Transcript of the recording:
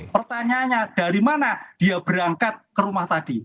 pertanyaannya dari mana dia berangkat ke rumah tadi